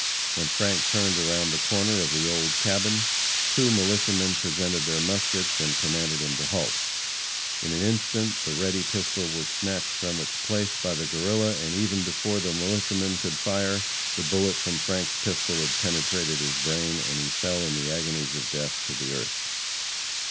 When Frank turned around the corner of the old cabin, two militiamen presented their muskets and commanded him to halt. In an instant the ready pistol was snatched from its place by the Guerrilla, and even before the militiaman could fire, the bullet from Frank's pistol had penetrated his brain, and he fell in the agonies of death to the earth.